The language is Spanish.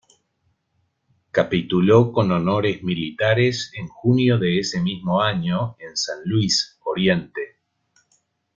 Capituló con honores militares en junio de ese mismo año, en San Luis, Oriente.